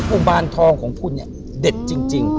กรุมารทองของคนฝนเนี้ยเด็ดจริง